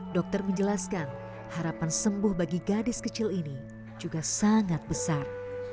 dokter menjelaskan harapan sembuh bagi gadis kecil ini juga sangat besar